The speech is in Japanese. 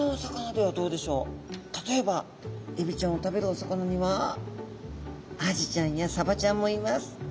例えばエビちゃんを食べるお魚にはアジちゃんやサバちゃんもいます。